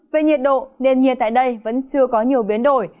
về nhiệt độ nền nhiệt tại đây vẫn chưa có nhiều biến đổi